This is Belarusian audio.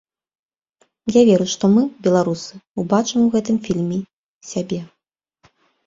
Я веру, што мы, беларусы, убачым у гэтым фільме сябе.